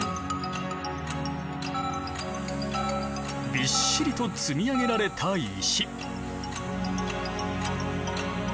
びっしりと積み上げられた石。